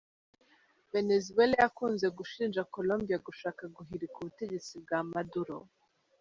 Venezuela yakunze gushinja Colombia gushaka guhirika ubutegetsi bwa Maduro.